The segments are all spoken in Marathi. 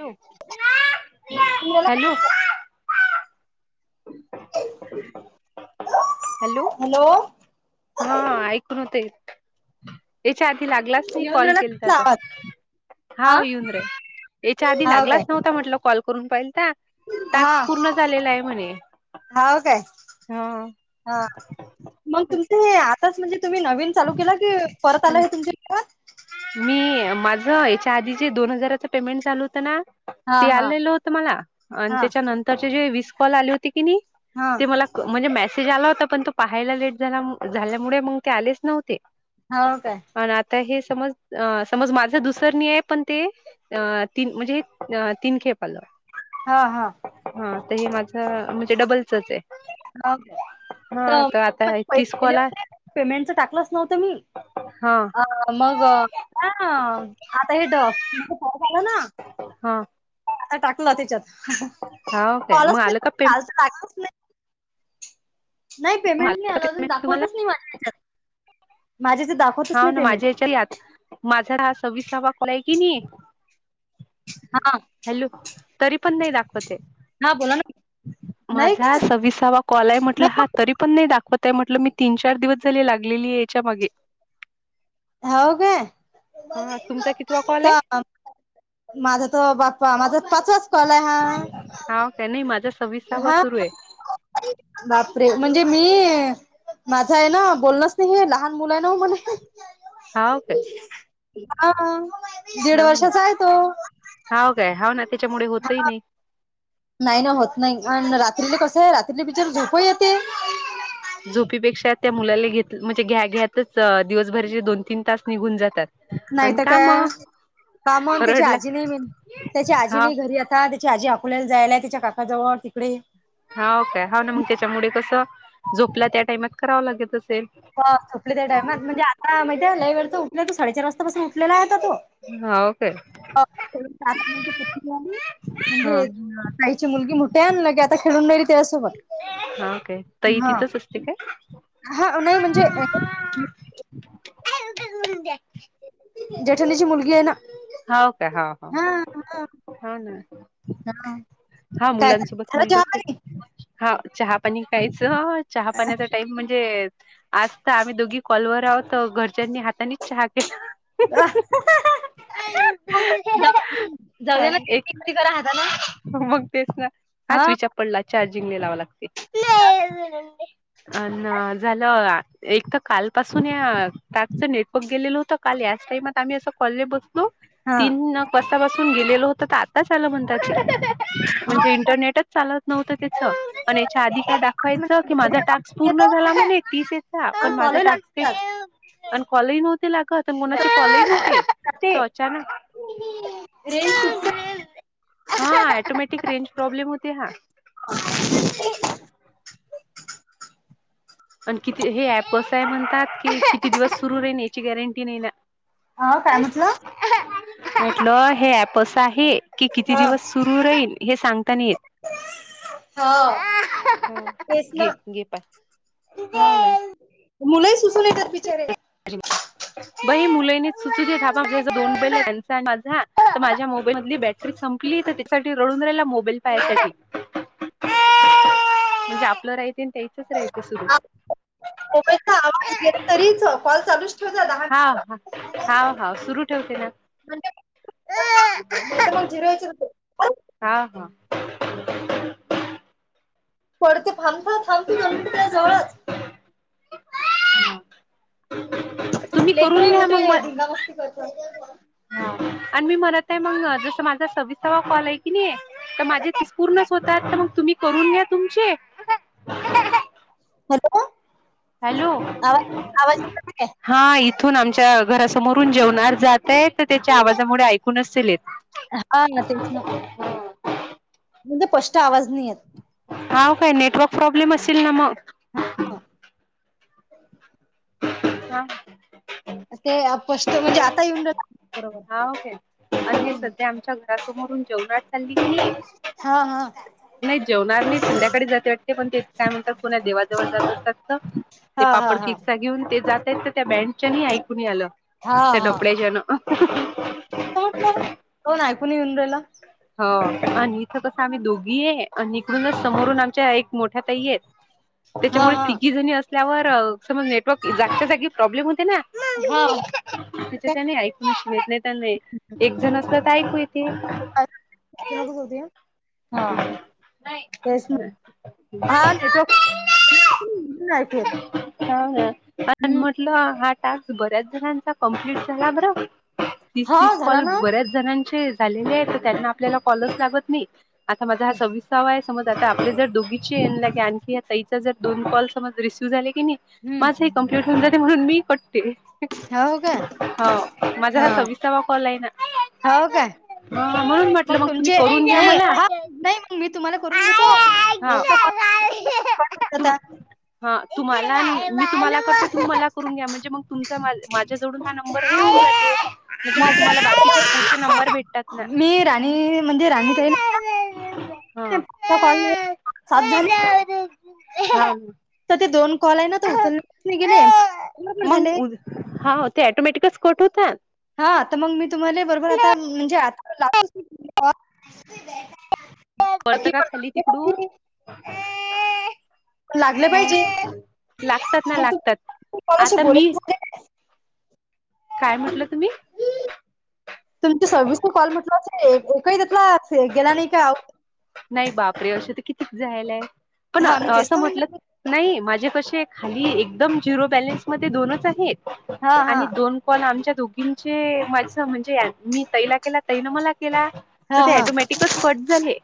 ॅ हॅलो. [unintelligible] हॅलो. हॅलो. हा ऐकून होते. त्याच्या आधी लागला. येऊन कॉल राहिला के का आवाज? हा येऊन र याच्या आधी हाव काय लागलाच नव्हता म्हट कॉल. करून पाहिल हा तास् पूर्ण झालेला आहे म्हणे हाव काय ह. हा मग तुमच हे आताच म्हणजे तुम्ही नवीन चालू केला की परत आला हे तुमचे. मी माझं याच्या आधी ज दोन हजाराचं पेमेंट झाचालू होतं ना. हा ते हा आलेलं होत मला आणि हा त्याच्या नंतरचे जे विीस कॉल आले होते की नाही हा ते मला. म्हणजे मेसेज आला होता पण तो पाहायला लेट झाला झाल्यामुळे मग ते आलेच नव्हते. हो काय. आणि आता हे समज अ समज माझं दुसरणी आहे पण ते. अ तीन म्हणजे तीन खेप आलं. हा हा. हा तर हे माझं म्हणजे डबलचच आहे. हा तर आता तीस पैसेले कॉल आहे. होते पेमेंटच टाकलंच नव्हतं मी. हा अ मग का आता हेट फय झाला ना. हा. टाकलं त्याच्यातल. हा काय दवत मग आलं का पे नाही नाही पेमेंट नाही आलं का आला अजून पेमेंट तुम्हाला दाखवतच नाही माझ्याच्यात. माझे ज. हा ना माझ्या याच्या यात माझा हा सव्विसावा कळा आहे कि नाही हा हॅलो तरी पण नाही दाखवते हा बोला ना नाही का माझा सविसावा कॉल आहे नाही म्हटला हा मग तरी पण नाही दाखवतय म्हटलं मी तीन चार दिवस झाले लागलेली आहे याच्या मागे. हो का. हा तुमचा कितवा कॉल आहे माझा त बाप्पा माझापाचच कॉल आहे हा. हा काय नाही माझा सव्विसावा हा सुरू आहे. बापरे म्हणजे मी माझं आहे ना बोललच नाही हे लहान मुलं आहे ना म्हण हा ओ काे हा दीड हाव ना वर्षाचा आहे तो हाव काय हा ना त्याच्यामुळे होतही नाही नाही ना होत नाही आणि रात्रीले कसं आहे रात्रीले बिचार झोप येते झोपीपेक्षा त्या मुलाला घेत म्हणजे घ्या घ्या दिवसभराचे दोन तीन तास निघून जातात आणि का मग कामान त्याची रडला आजी नाही मि त्याची आजी हा नाही घरी का त्याची आजी अकोल्याला जायलाय त्यािच्या काकाजवळ तिकडे हा काय हा ना मग त्याच्यामुळे कसं झोपला त्या टाइमात करावं लागत असेल हो झोपले त्या टायमात म्हणजे आता माहिती आहे लय वेळ त उठले तो साडेचार वाजतापसून उठलेला आहे आता तो हा ओके ात म्हणजे किती आहे हा म्हणजे काईची मुलगी मोठी आहे ल के आता खेळून राेली त्याच्यासोबत ह काय तई हा तिथंच असते काय हा उई म्हणजे [inaudible] जेठाणीची मुलगी आहे ना होा का होा हो हा हा. हो ना हा हा काय मुलांसोबत झालं मुलग चहा खेळ पाणी? हा चहा पाणी खायचं चहा पाण्याचा टाइम म्हणजे आजता आम्ही दोघी कॉलवर आहोत घरच्यांनी हातानीच चहा केला अ जाऊ जाऊ अ दे ना त्यांची एक एकटी करा हातानं मग तेच ना हा हच विचार पडला चार्जिंग ल लावा लागते अ झालं एक तर कालपसून या टॅपच नेटवर्क गेलेलं होत काल याच टामात आम्ही असं कॉल बसलो हा. तीन तापसून गेलेल होत तर आताल म्हणतात म्हणजे इंटरनेटच चालत नव्ह याच्या आधी काय दाखवायच की माझा टास्क पूर्ण झाला म्ह तीसचा पण माझा टास्क ह पण कॉलेज नव्हती लाग कोणाची कॉलेज नव्हती ते तर अचानक रेंज सुटते हा टोमॅटिक रेंज प्रॉब्लेम होते हा [inaudible] आणि किती हे ऍप असं आहे म्हणतात की किती दिवस सुरू राहीन याची गॅरंटी नाही ना अ काय म्हटलं म्हंटलं हे एप अस आहे की किती हा दिवस सुरू राहील हे सांगताना येत हा तेस ना घे पय अर का मुलंही सुसून येतात बिचारे ह ब मुलानी चची द दोन बैले त्यांचा माझा माझ्या मोबाईल मध बट त संपली तर त्याच्यासाठी रळून राहियला म्हणे आपलंच मोकेचा आवाज गेला तरीच कॉल चालूच ठेव द दहा हा मिनिटं हा हां हां सुरू ठेवते. म्हणजे नाही [inaudible] हा हा पडतंथबफा [unintelligible] थांबतो दोन मिनट त्या जवळात तुम्ही करून लेकरे घ्या मोठे मग म आहे धिंगा मस्ती करतात. आणि मी म्हणत आहे मंग जसं माझा सविस्वा कॉल आहे की नई. त माझे तेच पूर्णच होतात तर मग तुम्ही करून घ्या तुमचे. Hello [unintelligible] hello. आवाज आवाज येतोय काय? हां इथून आमच्या घरासमोरून जेवणार जातय त त्याच्या आवाजामुळे ऐकू नसेल येत. हा ना तेच ना म्हणजे पस्ट आवाज नई येत. हा काय नेटवर्क प्रॉब्लेम असेल ना म. [unintelligible] अच्छ [unintelligible] ते पष्ट म्हणजे आता येऊनदेत. हां सेल आणि सध्या आमच्या घरासमोरून जेवराट चालली कि नई. हा हा. नाई जेवणारणीं संध्याकाळी जात्यात त्या पण ते काय म्हणतात पुना देवाजवळ जात असतात. त ते हा हा पापड कि हा काय घेऊन ते जातायत त्या बँडच्यानी ऐकू नई आलं. हा ते डपळेज न. का कोण कोण ऐकूून इंद्रेला. हो आणि इथं कसं आम्ही दोघी आये आणि इकडूनच समोरून आमच्या एक मोठ्या ताई येत. हा त्याच्यामुळे हा तिघी जणी असल्यावर समज नेटवर्क जागच्या जागी प्रॉब्लेम होते ना. हा तिच्याच्यानी ऐक मिश नेट [unintelligible] णत नाह नाई एक जण असलं तर ऐकूय येते. [unintelligible] कस होते हा तेच नाई. हा नेटवर्क ऐकू येत हा आण हम्म म्हटलं हा टास्क बऱ्याच जणांचा कम्प्लीट झाला बर. तीस हा तीस झाला कॉल ना बऱ्याच जणांचे झालेले आहेत. कारण आपल्याला कॉलच लागत नई. आता माझा हा सवि सावा आहे. समज आता आपले जर डोघीचे ये आणखी या ताईचा जर दोन कॉल समज रिसीव्ह झाले की नई हम्म माझी कम्प्लीट होऊन म्हणून मी पण हो काय हो माझा हा सविस्तावा कॉल आहे ना. हो काय हां म्हणून म्हटलं मग तुम्ही तुमचे करून द्या नाही मला. हा नाही मग मी तुम्हाला करून घेतो हा. [unintelligible] हा तुम्हाला मी तुम्हाला करतो तुम्हाला करून घ्या म्हणजे मग तुमचा माज माझ्या जवडून हा नंबर हे हुन जाते. म्हणजे मग तुम्हाला बाकीचे नंबर भेटतात ना? मी म्हणजे राणीत येईल हा. कॉल [unintelligible] सातजण हां हूं. त ते दोन कॉल आहे ना त उचलले नाही गे नाही हा पण मग झाले. उद हा ते ऑटोमॅटिक स् कट होता. हा तर मंग मी तुम्हाला बरोबर आता म्हणजे आता [unintelligible] लातोच परत का पण लागले खाली तिकडून पाहिजे पण लागले पाहिजे लागतात ना मग लागतात तुम्ही कॉलशी आता मी बोलायच झाले काय? काय म्हटलं तुम्ही? तुमच सवीस न कॉल म्हटला एक एकही त्यातला फेल गेला नाही का? नाही बापरे अश तर कितीच जायलाय पण हा मी तेच असं तर म्हटलं म्हणलं नाही माझे कसे खाली एकदम झिरो बॅलन्स म दोनच आहेत हा हा आणि दोन कोण आमच्या दोघींचे माझ म्हणजे मी तैला केला तैन मला केला तर हा ते हा ॅटोमॅटिकच कट झाले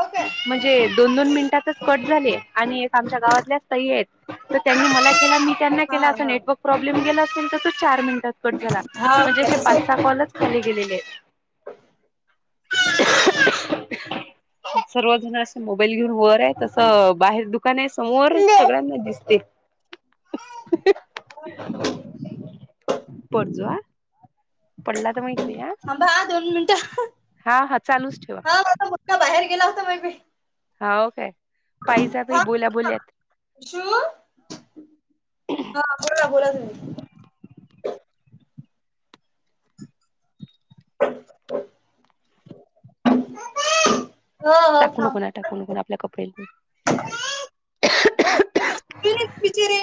हो काय म्हणजे दोन दोन मिनिटातच कट झाले आणि आमच्या गावातल्या तई आहेत. त त्यांनी मला केला मी त्यांना हा केला अस हा नेटवर्क प्रॉब्लेम गेला असेल त तो चार मिनिटात कट झाला हा म्हणजे काय असे तस पाच सहा कॉलच खाली गेलेले. सर्वजण असं मोबाईल घेऊन वर आहे तसं बाहेर दुकान आहे समोर सगळ्यांना दिसते पर्जुवा अांबा दोन मिनटं हा हा चालूच ठेवा हा का बाहेर गेला होता मग मी हा काय पाहिज प हा बोला बोलत शू हा बला ना बोला तही हो हो टाकू नको थांब ना टाकू नको ना आपल्या कपड बचरे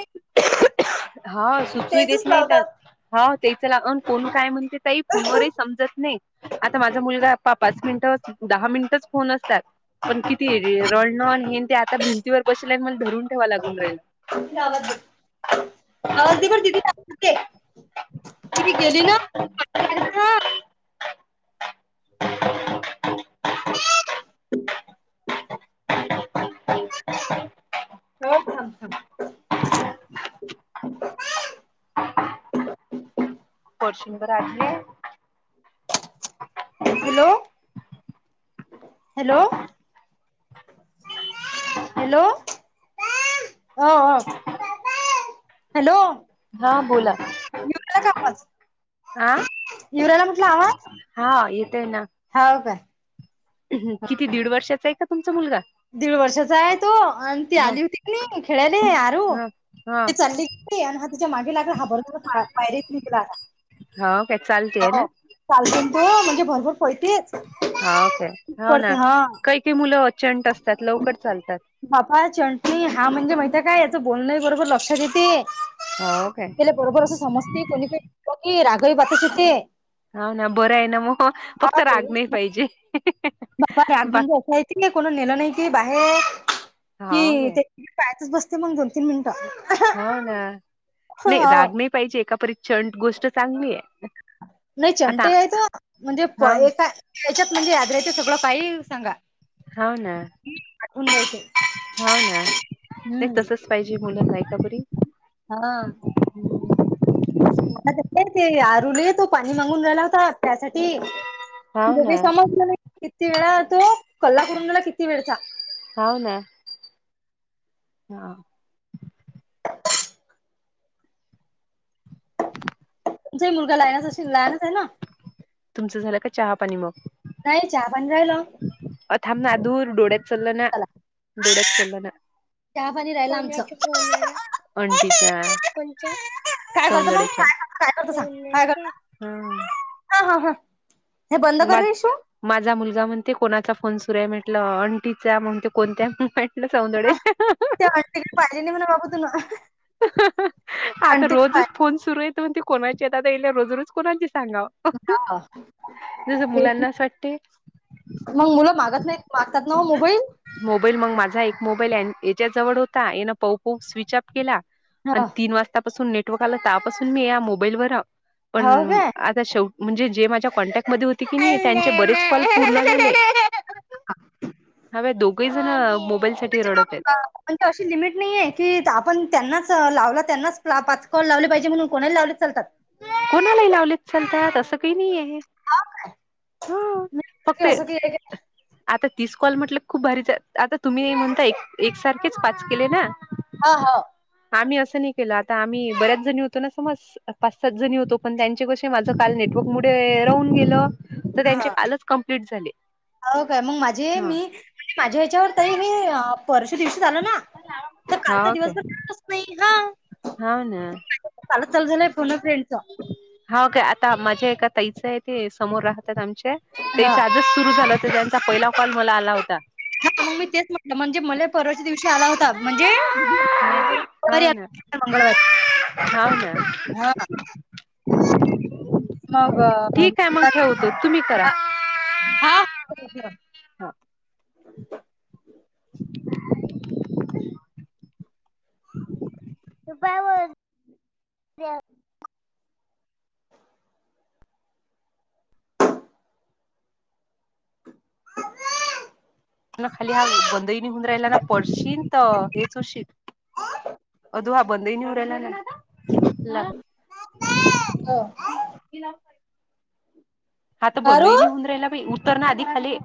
होा सुचू देत नाही लावतात हा त्याच लाग कोण काय म्हणते फोनवरही समजत नाही आता माझा मुलगापा पाच मिनिट दहा मिनिटच फोन असतात पण किती आहे रणॉन हे ते आता भिंतीवर बसल आणि मला धरून ठेवा लागून राहील वाज आवाजदी दिदीते ती गेली ना हो खां पशंवर आले हॅलो हॅलो हॅलो हॅलो हा बोला मिळला कावाज हा यिवराला म्हटलं हवा हा येतय ना हो का किती दीड वर्षाचा आहे का तुमचा मुलगा दीड वर्षाचा आहे तो आणि ती ह आली होती की नाही खेळाले हरू ह. ते चालली आणि ह त्याच्या मागे लागड हाबर पायरेेत निघेला आता हा काय चालतेय ना चालत ना तू म्हणजे भरपूर पळतीस हाकय हो ना काही काही मुलं अचंड असतात लवकर चालतात बापा चंटणी हा म्हणजे माहित काय याचं बोलणं बरोबर लक्षात देते हा काय ले बरोबरोस सस्त कोनीी रागवी बाती शतेे हा ना बरं आहे ना मग फक्त राग नाही पाहिजे सफा राग बाकी म्हणजे असा आहे क को नेलं नाही की बाहेर हाव कि काय ते पायातच बसते मग दो तीन मिनट हा ना नाही हो राग नाही पाहिजे एकापरी छंड गोष्ट चांगली आहे नाही आता चंट आहे त म्हणजे हाव एका त्याच्यात म्हणजे आदरााचं सगळं पाय सांगा हो ना हण घच हा ना नाही तसच पाहिजे मुलं नाही कापरी हा ते आरुले तो पाणी मागून रायला होता त्यासाठी हाव ना काही समजलं ना किती वेळा तो कल्ला करून गला किती वेळचा हो ना, हा तुमचाही मुलगा लाहण्याच अशी लाहनच आहे ना तुमचं झालं का चहापाणी मग नाही चहा पाणी राहिल. अथांम ना धूर डोळ्यात चचालं ना चला. डोळ्यात चल ना चहा पाणी राहिला आमचं. कोणाच्या कोणाला अंटीचा कोणच्या काय करत म काय करत काय करत सांग काय सौंदड्याच्या करत. हा हा हा हा हे बंद मा करशु माझा मुलगा म्हणते कोणाचा फोन सुरुय म्हटलं अंटीचा म्हने ते कोणत्या सौंदडे त्या आंटीकडे पाहिजे नाही म्हणा बाबू तुला आता आंटीकडे रोजच पाहिजे फोन सुरू येत म्हणते कोणाचे येतता येईले रोज रोज कोणाचे सांगाव. हा जसं मुलांना असं वाटते. मग मुलं मागत नाही मागतात ना मोबाईल मोबाईल मग माझा एक मोबाईल याच्या जवळ होता येन पाहू पाहू स्विच ऑफ केला. हा आणि तीन वाजतापासून नेटवर्क आलापासून मी या मोबाईल वर आहे हो पण काय ेव म्हणजे जे माझ्या कॉन्टॅक्ट म होते की नाही त्यांचे बरेच कॉल पूर्ण झाले. हव दोघही जण मोबाईल साठी रडत आहेत. म्हणजे अशी लिमिट नाहीे की आपण त्यांनाच लावला त्यांनाच पाच कॉल लावले पाहिजे म्हणून कोणी लावले चालतात. कोणालाही लावलेत चालतात असं काही नाहीय. हा की फक्त असं की आता तीस कॉल म्हटलं खूप भारी आता तुम्ही नाही म्हणता एकसारखेच पाच केले ना. हा हा आम्ही असं नाही केलं आता आम्ही बऱ्याच जणी होतो ना समज पाच सात जणी होतो पण त्यांचे कसे माझं काल नेटवर्क मुळे राहून गेलं. तर त्यांचे ह कालच कंप्लीट झाले. हो काय मग माझी हा. मी म्हणजे माझ्या ह्याच्यावर तही मी वर्ष दिवशी आल ना तर कालचा दिवसच नाही हा हो ना, कालच चालू झालंय फोन अ फ्रेंडचा हा काय आता माझ्या आहे एका ताई आहे. ते समोर राहतात आमच्या ते हा आजच सुरु झालं हो त्यांचा पहिला कॉल मला आला होता. हा मग मी तेच म्हटलं म्हणजे मला परवाच्या दिवशी आला होता. म्हणजे मंगळवारी हा ह हा मग ठीक आहे मग ठेवतो तुम्ही करा. हा हो, [unintelligible] [unintelligible] खाली हा बंदईनी हुण राहिला ना पडशीलन तर हेच हो शिक अो ह बंदेनव [unintelligible] [unintelligible] हात बंदही आरू नाहीहून राहिला उत्तर ना आधी खाली.